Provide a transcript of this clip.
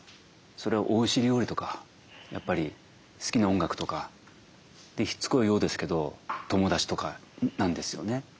それはおいしい料理とかやっぱり好きな音楽とかしつこいようですけど友達とかなんですよね。